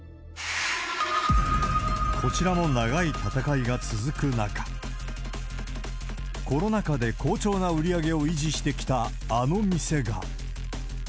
こちらも長い闘いが続く中、コロナ禍で好調な売り上げを維持してきたあの店が。